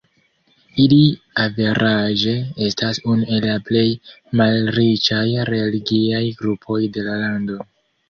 Ili averaĝe estas unu el la plej malriĉaj religiaj grupoj de la lando.